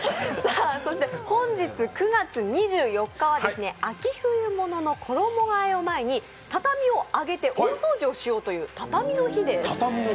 本日９月２４日は秋冬者の衣がえを前に畳を上げて大掃除をしようという畳の日です。